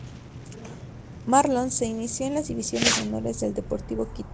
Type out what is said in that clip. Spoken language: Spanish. Marlon se inició en las divisiones menores del Deportivo Quito.